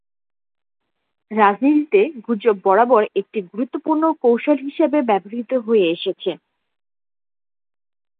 রাজনীতিতে গুজব বরাবর একটি গুরুত্বপূর্ণ কৌশল হিসাবে ব্যবহৃত হয়ে এসেছে।